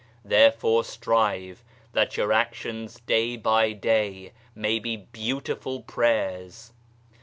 Therefore strive that your actions day by day niay be beautiful prayers.